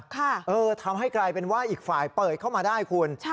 เออทำให้กลายเป็นว่าอีกฝ่ายเปิดเข้ามาได้คุณใช่